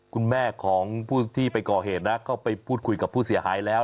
คุณแม่ของผู้ที่ไปก่อเหตุนะเข้าไปพูดคุยกับผู้เสียหายแล้ว